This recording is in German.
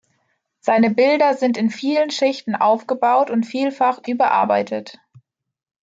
Seine Bilder sind in vielen Schichten aufgebaut und vielfach überarbeitet.